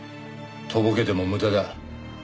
とぼけても無駄だ。